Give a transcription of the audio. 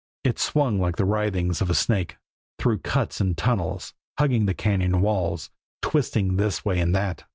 It swung like the writhings of a snake, through cuts and tunnels, hugging the cañon walls, twisting this way and that.